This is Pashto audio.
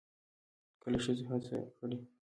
کله ښځو هڅه کړې